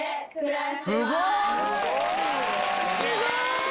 すごーい！